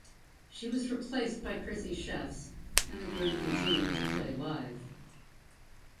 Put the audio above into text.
She was replaced by Chrissy Shefts and the group continued to play live.